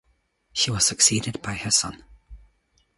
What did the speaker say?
She was succeeded by her son.